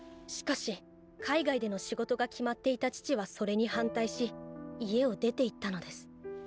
しかし海外での仕事が決まっていた父はそれに反対し家を出ていったのです。